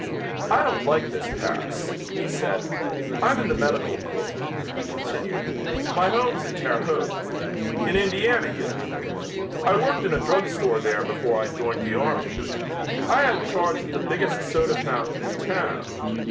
"I don't like this Paris," he said. "I'm in the medical corps," he continued. "My home's in Terre Haute. In Indiana, you know. I worked in a drug store there before I joined the army. I had charge of the biggest soda fountain in town.